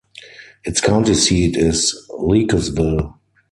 Its county seat is Leakesville.